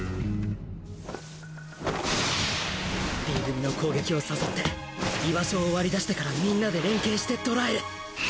Ｂ 組の攻撃を誘って居場所を割り出してから皆で連携して捕らえる！